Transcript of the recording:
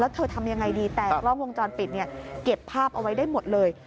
แล้วเธอทำอย่างไรดีแต่กล้องวงจรปิดเก็บภาพเอาไว้ได้หมดเลย